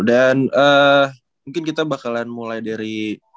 dan mungkin kita bakalan mulai dari